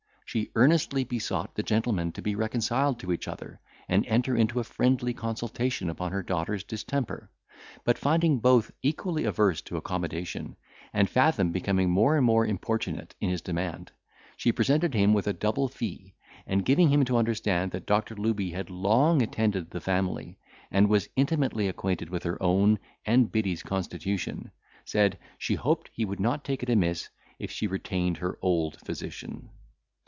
She earnestly besought the gentlemen to be reconciled to each other, and enter into a friendly consultation upon her daughter's distemper; but, finding both equally averse to accommodation, and Fathom becoming more and more importunate in his demand, she presented him with a double fee; and giving him to understand that Doctor Looby had long attended the family, and was intimately acquainted with her own and Biddy's constitution, said, she hoped he would not take it amiss if she retained her old physician.